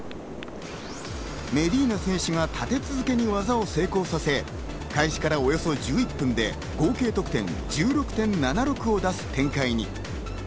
メディーナ選手が立て続けに技を成功させ、開始からおよそ１１分で合計得点１６．７６を出す展開に。